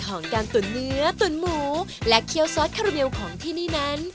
ของการตุ๋นเนื้อตุ๋นหมูและเคี่ยวซอสคาราเมลของที่นี่นั้น